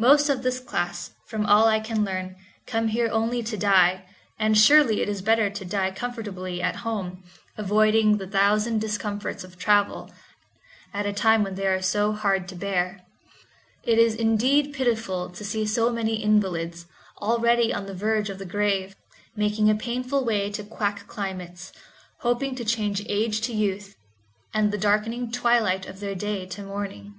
Most of this class, from all I can learn, come here only to die, and surely it is better to die comfortably at home, avoiding the thousand discomforts of travel, at a time when they are so heard to bear. It is indeed pitiful to see so many invalids, already on the verge of the grave, making a painful way to quack climates, hoping to change age to youth, and the darkening twilight of their day to morning.